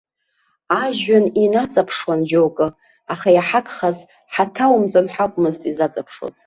Ажәҩан инаҵаԥшуан џьоукы, аха иҳагхаз ҳаҭанаумҵан ҳәа акәмызт изаҵаԥшуаз.